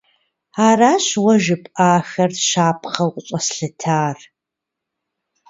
Аращ уэ жыпӀахэр щапхъэу къыщӀэслъытар.